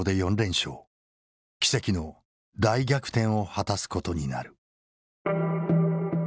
奇跡の大逆転を果たすことになる。